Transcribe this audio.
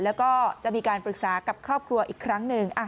แล้วก็จะมีการปรึกษากับครอบครัวอีกครั้งหนึ่ง